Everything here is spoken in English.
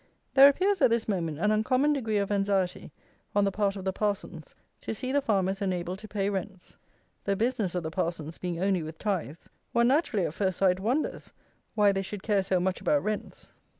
There appears at this moment an uncommon degree of anxiety on the part of the parsons to see the farmers enabled to pay rents. The business of the parsons being only with tithes, one naturally, at first sight, wonders why they should care so much about rents.